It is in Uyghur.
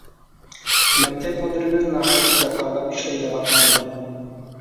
مەكتەپ مۇدىرىمىز ناھايىتى جاپالىق ئىشلەيدىغان ئادەم.